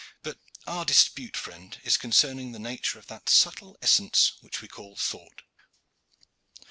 But our dispute, friend, is concerning the nature of that subtle essence which we call thought.